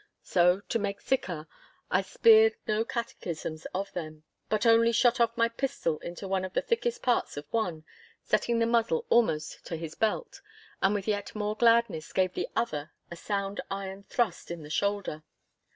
So, to make siccar, I speered no catechisms of them, but only shot off my pistol into one of the thickest parts of one, setting the muzzle almost to his belt, and with yet more gladness gave the other a sound iron thrust in the shoulder.